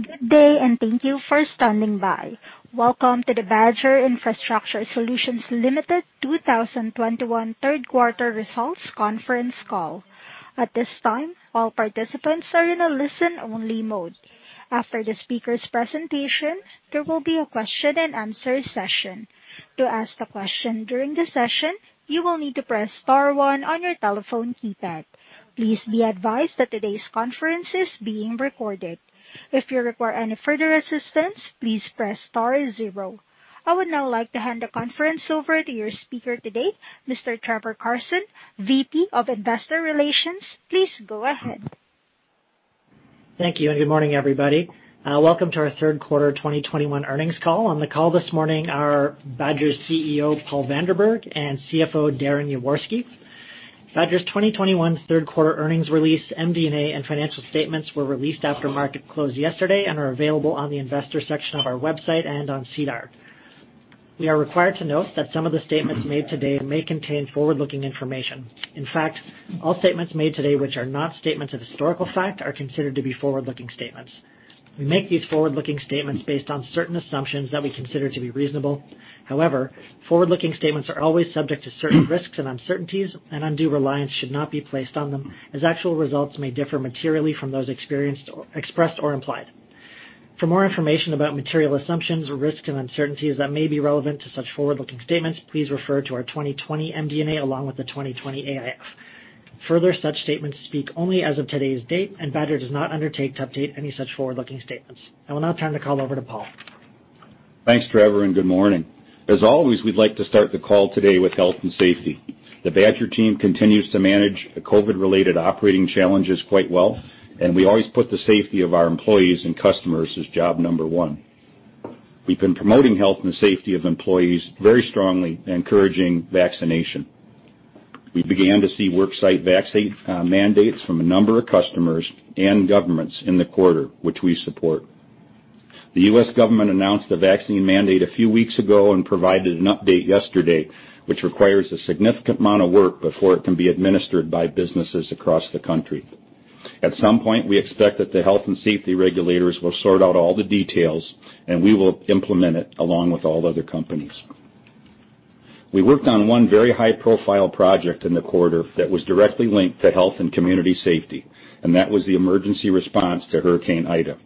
Good day, and thank you for standing by. Welcome to the Badger Infrastructure Solutions Limited 2021 third quarter results conference call. At this time, all participants are in a listen-only mode. After the speaker's presentation, there will be a question-and-answer session. To ask a question during the session, you will need to press star one on your telephone keypad. Please be advised that today's conference is being recorded. If you require any further assistance, please press star zero. I would now like to hand the conference over to your speaker today, Mr. Trevor Carson, VP of Investor Relations. Please go ahead. Thank you, and good morning, everybody. Welcome to our third quarter 2021 earnings call. On the call this morning are Badger's CEO, Paul Vanderberg, and CFO, Darren Yaworsky. Badger's 2021 third quarter earnings release, MD&A, and financial statements were released after market close yesterday and are available on the Investor section of our website and on SEDAR. We are required to note that some of the statements made today may contain forward-looking information. In fact, all statements made today which are not statements of historical fact are considered to be forward-looking statements. We make these forward-looking statements based on certain assumptions that we consider to be reasonable. However, forward-looking statements are always subject to certain risks and uncertainties and undue reliance should not be placed on them, as actual results may differ materially from those expressed or implied. For more information about material assumptions, risks, and uncertainties that may be relevant to such forward-looking statements, please refer to our 2020 MD&A along with the 2020 AIF. Further, such statements speak only as of today's date, and Badger does not undertake to update any such forward-looking statements. I will now turn the call over to Paul. Thanks, Trevor, and good morning. As always, we'd like to start the call today with health and safety. The Badger team continues to manage the COVID-related operating challenges quite well, and we always put the safety of our employees and customers as job number one. We've been promoting health and safety of employees very strongly, encouraging vaccination. We began to see worksite vaccine mandates from a number of customers and governments in the quarter, which we support. The U.S. government announced the Vaccine Mandate a few weeks ago and provided an update yesterday, which requires a significant amount of work before it can be administered by businesses across the country. At some point, we expect that the health and safety regulators will sort out all the details, and we will implement it along with all other companies. We worked on one very high-profile project in the quarter that was directly linked to health and community safety, and that was the emergency response to Hurricane Ida.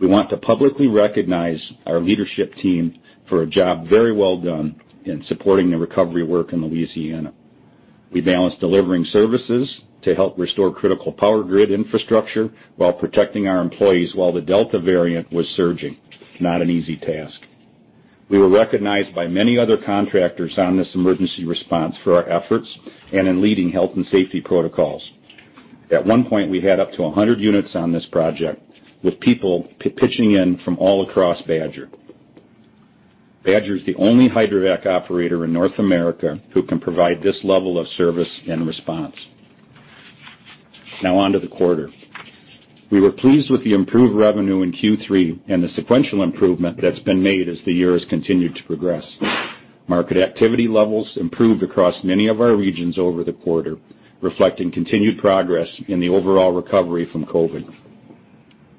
We want to publicly recognize our leadership team for a job very well done in supporting the recovery work in Louisiana. We balanced delivering services to help restore critical power grid infrastructure while protecting our employees while the Delta variant was surging. Not an easy task. We were recognized by many other contractors on this emergency response for our efforts and in leading health and safety protocols. At one point, we had up to 100 units on this project, with people pitching in from all across Badger. Badger is the only hydrovac operator in North America who can provide this level of service and response. Now on to the quarter. We were pleased with the improved revenue in Q3 and the sequential improvement that's been made as the years continued to progress. Market activity levels improved across many of our regions over the quarter, reflecting continued progress in the overall recovery from COVID.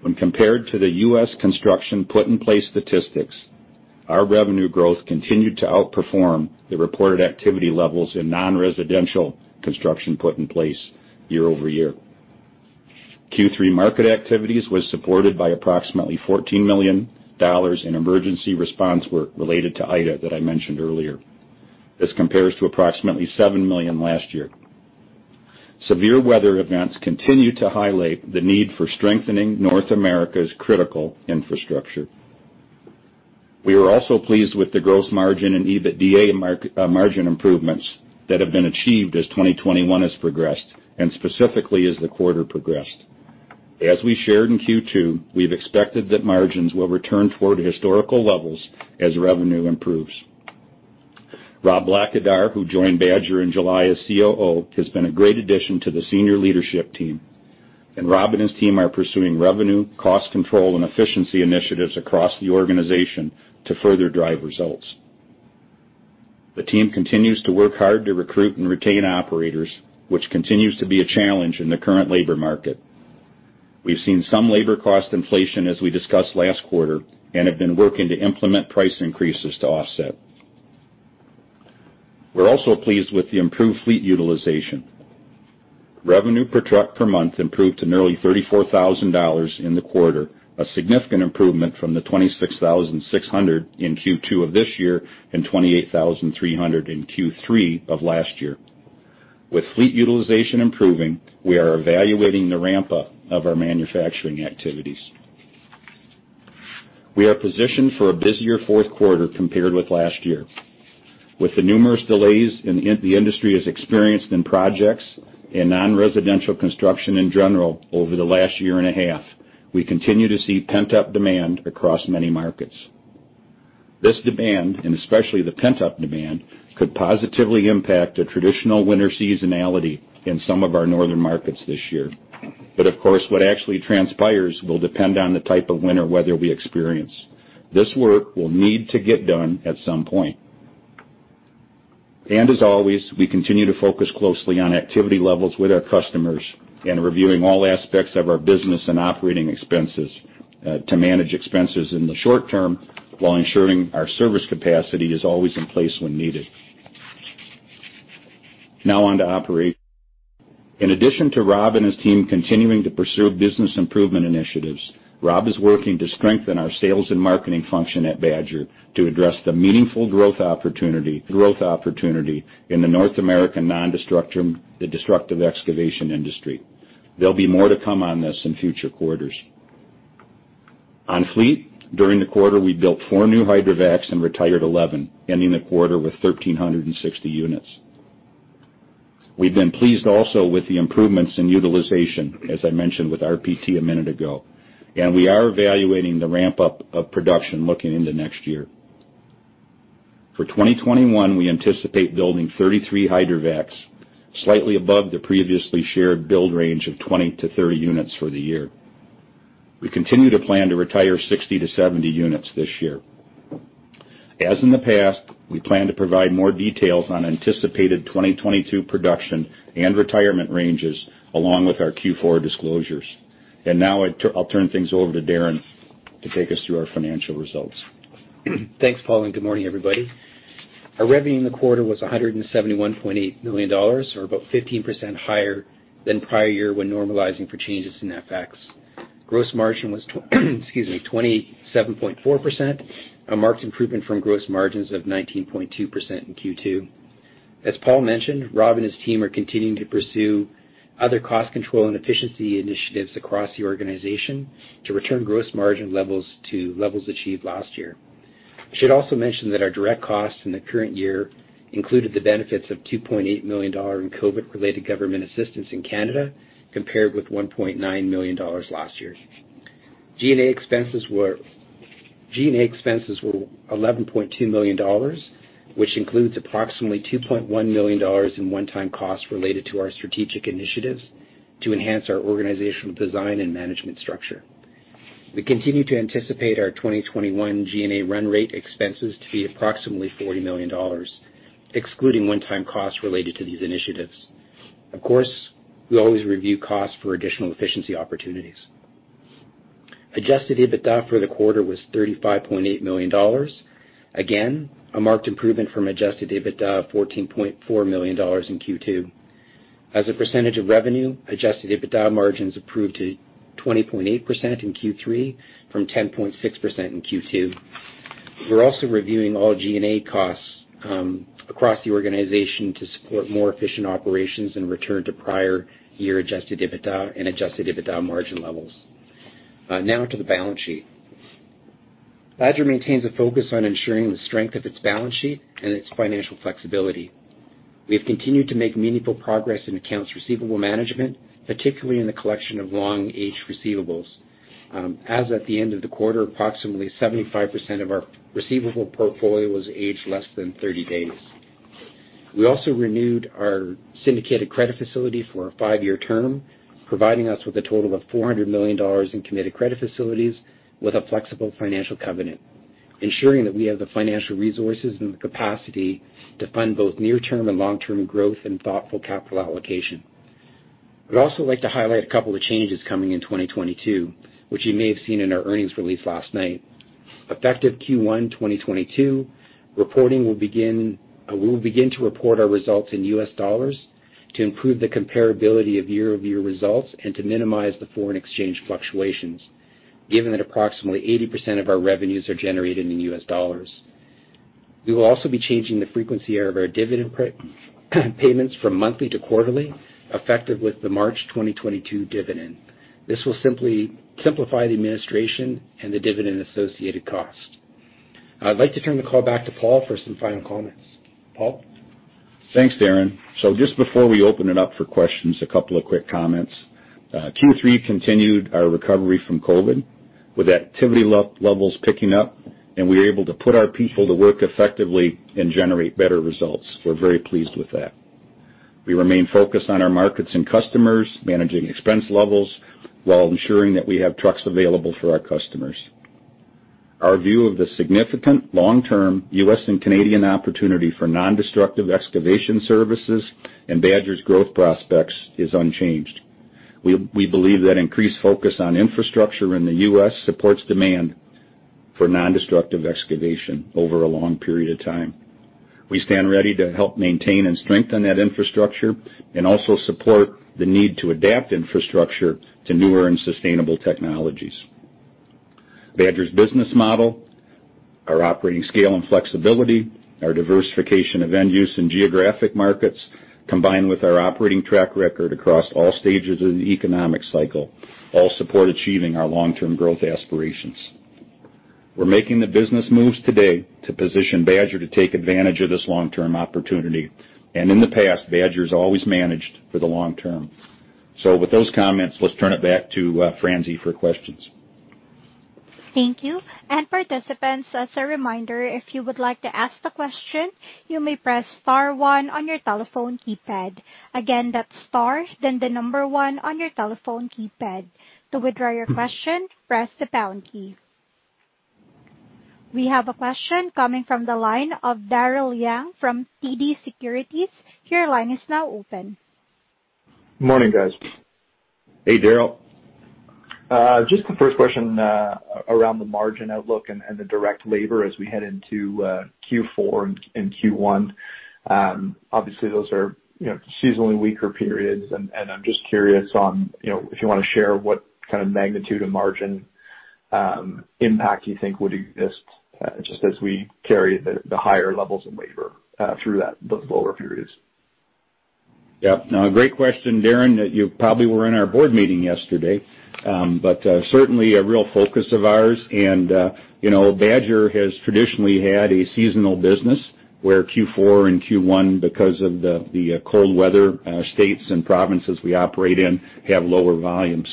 When compared to the U.S. construction put in place statistics, our revenue growth continued to outperform the reported activity levels in non-residential construction put in place year-over-year. Q3 market activities was supported by approximately 14 million dollars in emergency response work related to Ida that I mentioned earlier. This compares to approximately 7 million last year. Severe weather events continue to highlight the need for strengthening North America's critical infrastructure. We were also pleased with the gross margin and EBITDA margin improvements that have been achieved as 2021 has progressed, and specifically as the quarter progressed. As we shared in Q2, we've expected that margins will return toward historical levels as revenue improves. Rob Blackadar, who joined Badger in July as COO, has been a great addition to the senior leadership team, and Rob and his team are pursuing revenue, cost control, and efficiency initiatives across the organization to further drive results. The team continues to work hard to recruit and retain operators, which continues to be a challenge in the current labor market. We've seen some labor cost inflation as we discussed last quarter and have been working to implement price increases to offset. We're also pleased with the improved fleet utilization. Revenue per truck per month improved to nearly 34,000 dollars in the quarter, a significant improvement from the 26,600 in Q2 of this year and 28,300 in Q3 of last year. With fleet utilization improving, we are evaluating the ramp up of our manufacturing activities. We are positioned for a busier fourth quarter compared with last year. With the numerous delays the industry has experienced in projects and non-residential construction in general over the last 1.5 years, we continue to see pent-up demand across many markets. This demand, and especially the pent-up demand, could positively impact a traditional winter seasonality in some of our northern markets this year. But of course, what actually transpires will depend on the type of winter weather we experience. This work will need to get done at some point. As always, we continue to focus closely on activity levels with our customers and reviewing all aspects of our business and operating expenses, to manage expenses in the short term while ensuring our service capacity is always in place when needed. Now on to operations. In addition to Rob and his team continuing to pursue business improvement initiatives, Rob is working to strengthen our sales and marketing function at Badger to address the meaningful growth opportunity in the North American non-destructive excavation industry. There'll be more to come on this in future quarters. On fleet, during the quarter, we built four new Hydrovacs and retired 11, ending the quarter with 1,360 units. We've been pleased also with the improvements in utilization, as I mentioned with RPT a minute ago. We are evaluating the ramp-up of production looking into next year. For 2021, we anticipate building 33 Hydrovacs, slightly above the previously shared build range of 20-30 units for the year. We continue to plan to retire 60-70 units this year. As in the past, we plan to provide more details on anticipated 2022 production and retirement ranges along with our Q4 disclosures. Now I'll turn things over to Darren to take us through our financial results. Thanks, Paul, and good morning, everybody. Our revenue in the quarter was 171.8 million dollars or about 15% higher than prior year when normalizing for changes in FX. Gross margin was 27.4%, a marked improvement from gross margins of 19.2% in Q2. As Paul mentioned, Rob and his team are continuing to pursue other cost control and efficiency initiatives across the organization to return gross margin levels to levels achieved last year. I should also mention that our direct costs in the current year included the benefits of 2.8 million dollar in COVID-related government assistance in Canada, compared with 1.9 million dollars last year. G&A expenses were 11.2 million dollars, which includes approximately 2.1 million dollars in one-time costs related to our strategic initiatives to enhance our organizational design and management structure. We continue to anticipate our 2021 G&A run rate expenses to be approximately 40 million dollars, excluding one-time costs related to these initiatives. Of course, we always review costs for additional efficiency opportunities. Adjusted EBITDA for the quarter was 35.8 million dollars. Again, a marked improvement from adjusted EBITDA of 14.4 million dollars in Q2. As a percentage of revenue, adjusted EBITDA margins improved to 20.8% in Q3 from 10.6% in Q2. We're also reviewing all G&A costs across the organization to support more efficient operations and return to prior year adjusted EBITDA and adjusted EBITDA margin levels. Now to the balance sheet. Badger maintains a focus on ensuring the strength of its balance sheet and its financial flexibility. We have continued to make meaningful progress in accounts receivable management, particularly in the collection of long-aged receivables. As at the end of the quarter, approximately 75% of our receivable portfolio was aged less than 30 days. We also renewed our syndicated credit facility for a five-year term, providing us with a total of 400 million dollars in committed credit facilities with a flexible financial covenant, ensuring that we have the financial resources and the capacity to fund both near-term and long-term growth and thoughtful capital allocation. I'd also like to highlight a couple of changes coming in 2022, which you may have seen in our earnings release last night. Effective Q1 2022, we will begin to report our results in U.S. dollars to improve the comparability of year-over-year results and to minimize the foreign exchange fluctuations, given that approximately 80% of our revenues are generated in U.S. dollars. We will also be changing the frequency of our dividend payments from monthly to quarterly, effective with the March 2022 dividend. This will simply simplify the administration and the dividend-associated cost. I'd like to turn the call back to Paul for some final comments. Paul? Thanks, Darren. Just before we open it up for questions, a couple of quick comments. Q3 continued our recovery from COVID, with activity levels picking up, and we were able to put our people to work effectively and generate better results. We're very pleased with that. We remain focused on our markets and customers, managing expense levels while ensuring that we have trucks available for our customers. Our view of the significant long-term U.S. and Canadian opportunity for non-destructive excavation services and Badger's growth prospects is unchanged. We believe that increased focus on infrastructure in the U.S. supports demand for non-destructive excavation over a long period of time. We stand ready to help maintain and strengthen that infrastructure and also support the need to adapt infrastructure to newer and sustainable technologies. Badger's business model, our operating scale and flexibility, our diversification of end use and geographic markets, combined with our operating track record across all stages of the economic cycle, all support achieving our long-term growth aspirations. We're making the business moves today to position Badger to take advantage of this long-term opportunity. In the past, Badger's always managed for the long term. With those comments, let's turn it back to Francie for questions. Thank you. Participants, as a reminder, if you would like to ask a question, you may press star one on your telephone keypad. Again, that's star then the number one on your telephone keypad. To withdraw your question, press the pound key. We have a question coming from the line of Daryl Young from TD Securities. Your line is now open. Morning, guys. Hey, Daryl. Just the first question around the margin outlook and the direct labor as we head into Q4 and Q1. Obviously those are, you know, seasonally weaker periods and I'm just curious on, you know, if you wanna share what kind of magnitude of margin impact you think would exist just as we carry the higher levels of labor through those lower periods. Yeah. No, great question, Daryl. You probably were in our Board Meeting yesterday. Certainly a real focus of ours and, you know, Badger has traditionally had a seasonal business, where Q4 and Q1, because of the cold weather states and provinces we operate in have lower volumes.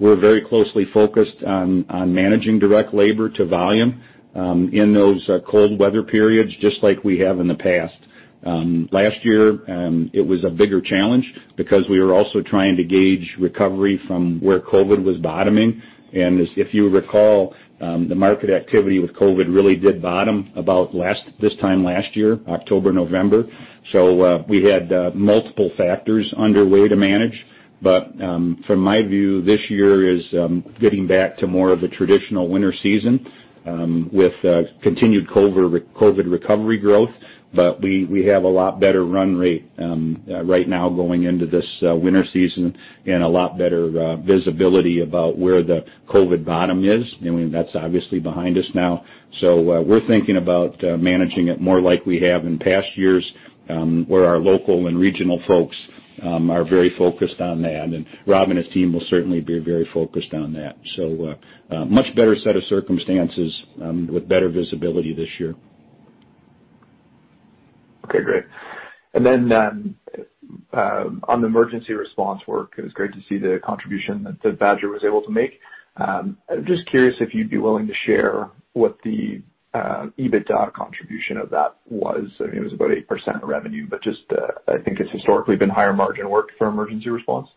We're very closely focused on managing direct labor to volume in those cold weather periods, just like we have in the past. Last year, it was a bigger challenge because we were also trying to gauge recovery from where COVID was bottoming. If you recall, the market activity with COVID really did bottom about this time last year, October, November. We had multiple factors underway to manage. From my view, this year is getting back to more of a traditional winter season with continued COVID recovery growth. We have a lot better run rate right now going into this winter season and a lot better visibility about where the COVID bottom is. I mean, that's obviously behind us now. We're thinking about managing it more like we have in past years, where our local and regional folks are very focused on that. Rob and his team will certainly be very focused on that. A much better set of circumstances with better visibility this year. Okay. Great. On the emergency response work, it was great to see the contribution that Badger was able to make. I'm just curious if you'd be willing to share what the EBITDA contribution of that was. I mean, it was about 8% of revenue, but just, I think it's historically been higher margin work for emergency response.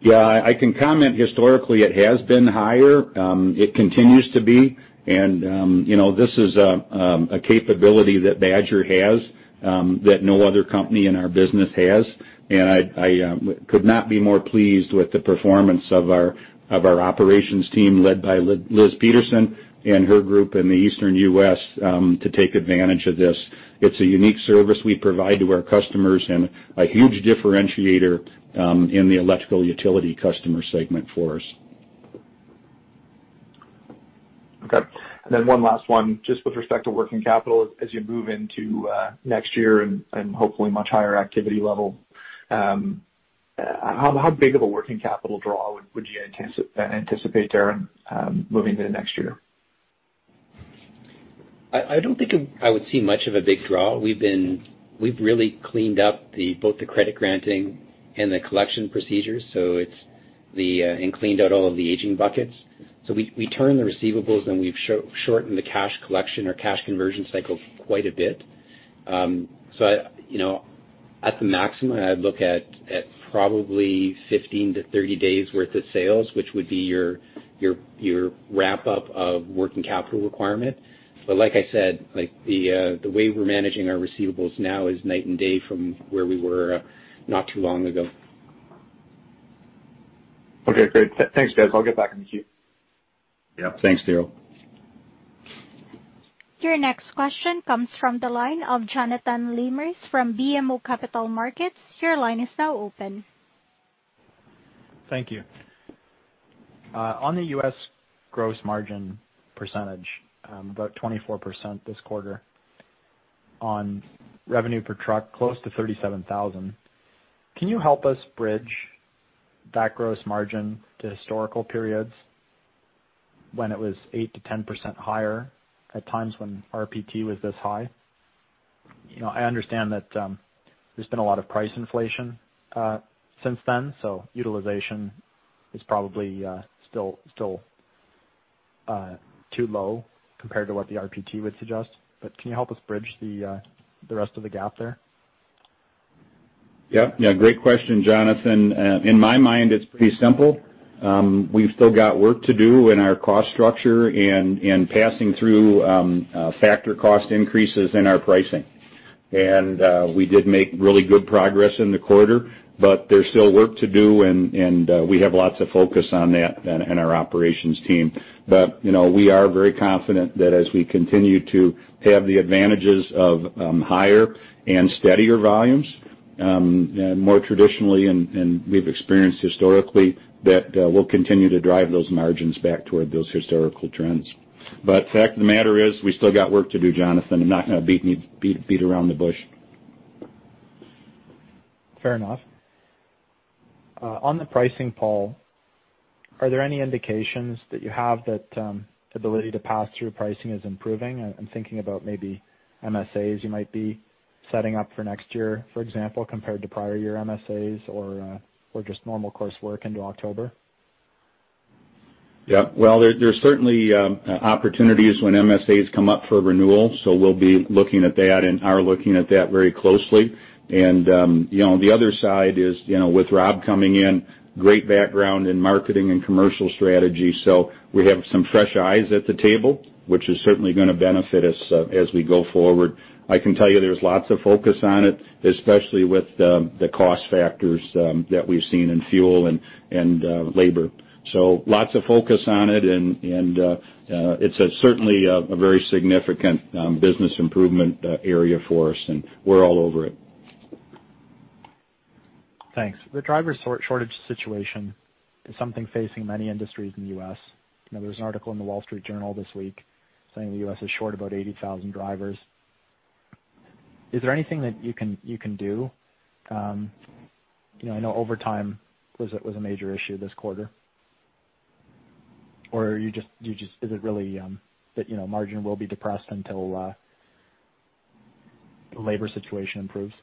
Yeah. I can comment historically it has been higher. It continues to be. You know, this is a capability that Badger has that no other company in our business has. I could not be more pleased with the performance of our Operations team, led by Liz Peterson and her group in the Eastern U.S., to take advantage of this. It's a unique service we provide to our customers and a huge differentiator in the electrical utility customer segment for us. Okay. One last one. Just with respect to working capital, as you move into next year and hopefully much higher activity level, how big of a working capital draw would you anticipate, Darren, moving into next year? I don't think I would see much of a big draw. We've really cleaned up both the credit granting and the collection procedures and cleaned out all of the aging buckets. We turn the receivables, and we've shortened the cash collection or cash conversion cycle quite a bit. You know, at the maximum, I'd look at probably 15-30 days worth of sales, which would be your wrap up of working capital requirement. Like I said, like the way we're managing our receivables now is night and day from where we were not too long ago. Okay, great. Thanks, guys. I'll get back in the queue. Yeah. Thanks, Daryl. Your next question comes from the line of Jonathan Lamers from BMO Capital Markets. Your line is now open. Thank you. On the U.S. gross margin percentage, about 24% this quarter on revenue per truck, close to 37,000. Can you help us bridge that gross margin to historical periods when it was 8%-10% higher at times when RPT was this high? You know, I understand that, there's been a lot of price inflation since then, so utilization is probably still too low compared to what the RPT would suggest. Can you help us bridge the rest of the gap there? Yeah. Yeah. Great question, Jonathan. In my mind, it's pretty simple. We've still got work to do in our cost structure and passing through factor cost increases in our pricing. We did make really good progress in the quarter, but there's still work to do and we have lots of focus on that in our Operations team. You know, we are very confident that as we continue to have the advantages of higher and steadier volumes and more traditionally and we've experienced historically, that we'll continue to drive those margins back toward those historical trends. Fact of the matter is we still got work to do, Jonathan. I'm not gonna beat around the bush. Fair enough. On the pricing, Paul, are there any indications that you have that the ability to pass through pricing is improving? I'm thinking about maybe MSAs you might be setting up for next year, for example, compared to prior year MSAs or just normal course work into October. Yep. Well, there's certainly opportunities when MSAs come up for renewal, so we'll be looking at that and are looking at that very closely. You know, the other side is, you know, with Rob coming in, great background in marketing and commercial strategy. We have some fresh eyes at the table, which is certainly gonna benefit us as we go forward. I can tell you there's lots of focus on it, especially with the cost factors that we've seen in fuel and labor. Lots of focus on it and it's certainly a very significant business improvement area for us, and we're all over it. Thanks. The driver shortage situation is something facing many industries in the U.S. You know, there was an article in The Wall Street Journal this week saying the U.S. is short about 80,000 drivers. Is there anything that you can do? You know, I know overtime was a major issue this quarter. Are you just is it really that, you know, margin will be depressed until the labor situation improves?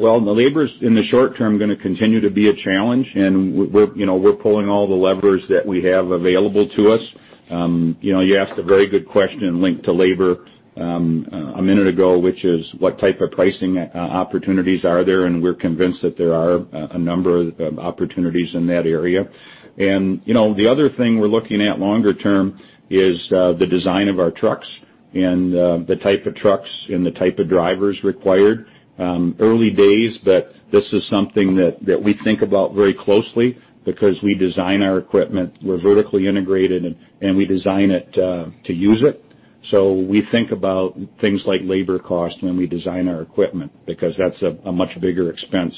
Well, the labor's, in the short term, gonna continue to be a challenge and we're you know we're pulling all the levers that we have available to us. You know you asked a very good question linked to labor a minute ago, which is what type of pricing opportunities are there, and we're convinced that there are a number of opportunities in that area. You know the other thing we're looking at longer term is the design of our trucks and the type of trucks and the type of drivers required. Early days, but this is something that we think about very closely because we design our equipment. We're vertically integrated and we design it to use it. We think about things like labor cost when we design our equipment because that's a much bigger expense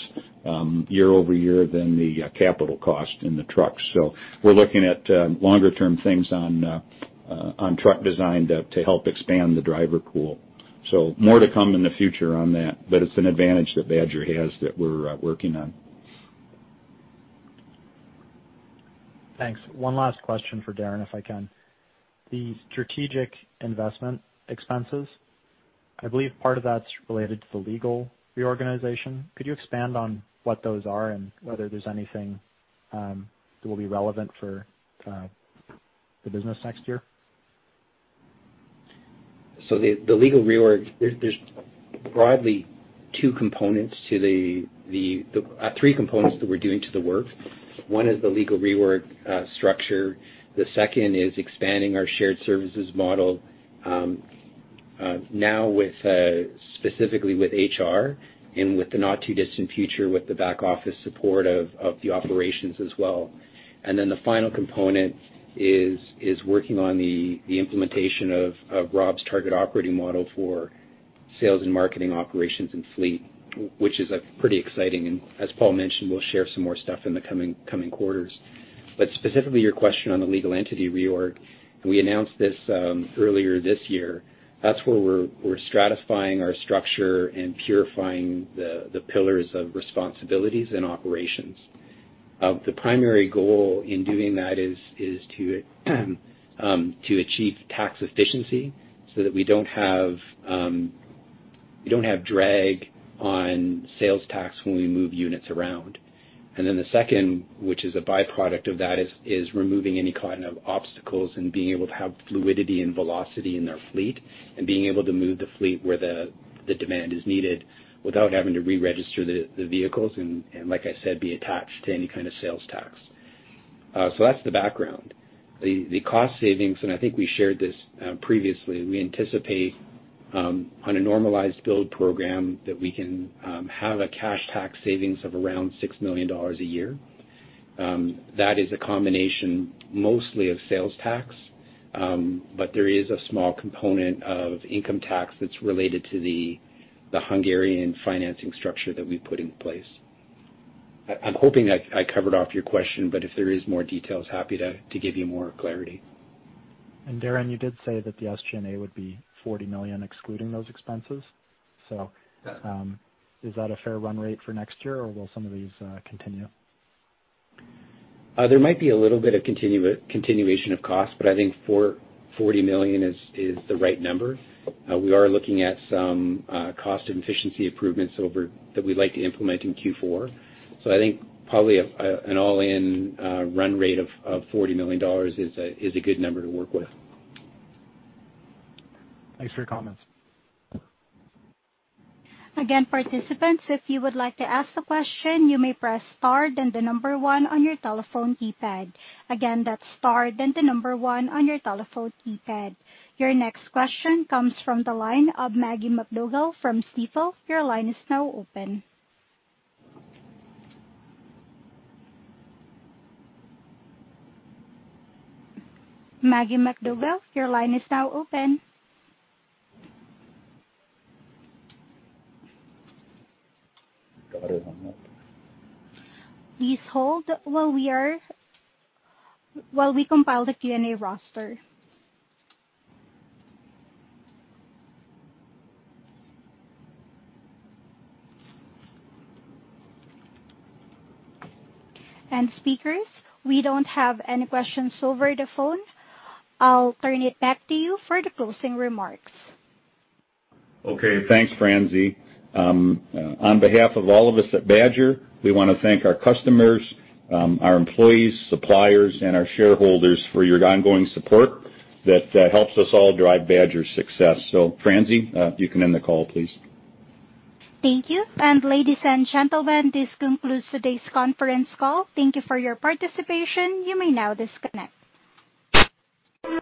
year-over-year than the capital cost in the trucks. We're looking at longer-term things on truck design to help expand the driver pool. More to come in the future on that, but it's an advantage that Badger has that we're working on. Thanks. One last question for Darren, if I can. The strategic investment expenses, I believe part of that's related to the legal reorganization. Could you expand on what those are and whether there's anything that will be relevant for the business next year? The legal reorg, there's broadly three components that we're doing the work. One is the legal reorg structure. The second is expanding our shared services model now with specifically with HR and in the not too distant future, with the back office support of the operations as well. The final component is working on the implementation of Rob's target operating model for sales and marketing operations and fleet, which is like pretty exciting. As Paul mentioned, we'll share some more stuff in the coming quarters. Specifically your question on the legal entity reorg, we announced this earlier this year. That's where we're stratifying our structure and purifying the pillars of responsibilities and operations. The primary goal in doing that is to achieve tax efficiency so that we don't have drag on sales tax when we move units around. The second, which is a byproduct of that is removing any kind of obstacles and being able to have fluidity and velocity in our fleet, and being able to move the fleet where the demand is needed without having to re-register the vehicles and, like I said, be attached to any kind of sales tax. That's the background. The cost savings, and I think we shared this previously, we anticipate on a normalized build program that we can have a cash tax savings of around 6 million dollars a year. That is a combination mostly of sales tax, but there is a small component of income tax that's related to the Hungarian financing structure that we put in place. I'm hoping I covered off your question, but if there is more details, happy to give you more clarity. Darren, you did say that the SG&A would be 40 million excluding those expenses. Yeah. Is that a fair run rate for next year, or will some of these continue? There might be a little bit of continuation of cost, but I think 40 million is the right number. We are looking at some cost and efficiency improvements that we'd like to implement in Q4. I think probably an all-in run rate of 40 million dollars is a good number to work with. Thanks for your comments. Your next question comes from the line of Maggie MacDougall from Stifel. Your line is now open. Maggie MacDougall, your line is now open. Got it on mute. Please hold while we compile the Q&A roster. Speakers, we don't have any questions over the phone. I'll turn it back to you for the closing remarks. Okay. Thanks, Francie. On behalf of all of us at Badger, we wanna thank our customers, our employees, suppliers, and our shareholders for your ongoing support that helps us all drive Badger's success. Francie, you can end the call, please. Thank you. Ladies and gentlemen, this concludes today's conference call. Thank you for your participation. You may now disconnect.